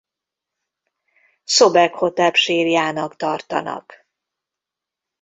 Szobekhotep sírjának tartanak.